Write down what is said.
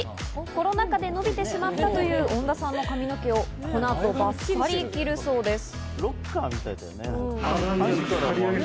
コロナ禍で伸びてしまったという恩田さんの髪の毛もこの後、バッサリ切るそうです。